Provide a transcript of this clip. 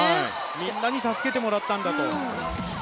みんなに助けてもらったんだと。